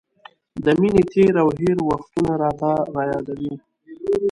د مینې تېر او هېر وختونه راته را یادوي.